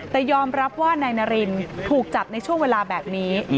แต่ยอมรับว่านายนารินถูกจับในช่วงเวลาแบบนี้